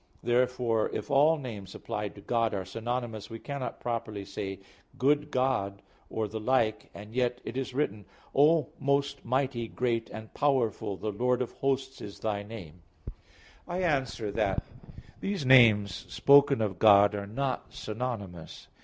Therefore if all names applied to God are synonymous, we cannot properly say "good God" or the like, and yet it is written, "O most mighty, great and powerful, the Lord of hosts is Thy name" (Jer. 32:18). I answer that, These names spoken of God are not synonymous.